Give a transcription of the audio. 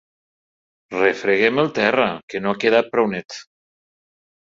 Refreguem el terra, que no ha quedat prou net.